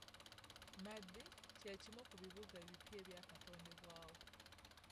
Madi kye kimu ku bibuga ebipya ebyakatondebwawo.